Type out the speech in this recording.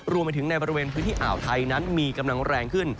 รวมไปถึงในบริเวณพื้นที่อ่าวไทยนั้นมีกำลังแรงขึ้น